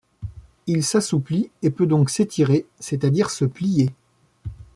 Il s'assouplit et peut donc s'étirer, c'est-à-dire se plier.